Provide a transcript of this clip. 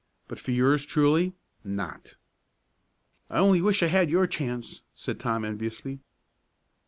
But for yours truly not!" "I only wish I had your chance," said Tom, enviously.